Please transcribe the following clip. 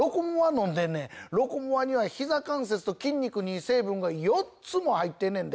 飲んでんねん「ロコモア」にはひざ関節と筋肉にいい成分が４つも入ってんねんで！